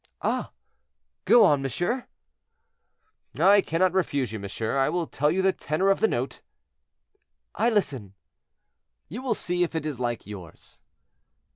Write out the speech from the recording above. "Ah! go on, monsieur." "I cannot refuse you, monsieur. I will tell you the tenor of the note." "I listen." "You will see if it is like yours."